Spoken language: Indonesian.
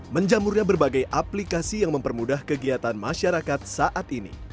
menjamurnya berbagai aplikasi yang mempermudah kegiatan masyarakat saat ini